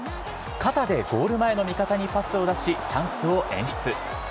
肩でゴール前の味方にパスを出し、チャンスを演出。